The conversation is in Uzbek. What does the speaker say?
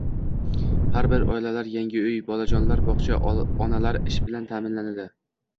Harbiy oilalar yangi uy, bolajonlar bog‘cha, onalar ish bilan ta’minlandi